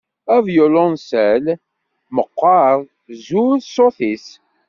Avyulunsal meqqer, zur ṣṣut-is.